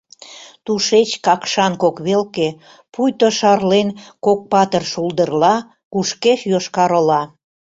Тушеч Какшан кок велке, пуйто шарлен кок патыр шулдырла, кушкеш Йошкар-Ола.